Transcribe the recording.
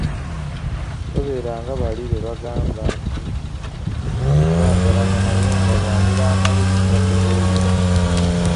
Tobeera nga bali be bagamba nti, “Twagalana naye nga bw'amira amalusu takubuulira”